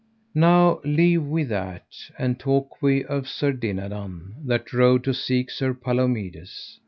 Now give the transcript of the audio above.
Now leave we that, and talk we of Sir Dinadan, that rode to seek Sir Palomides.